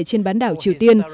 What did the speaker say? trên bán đảo triều tiên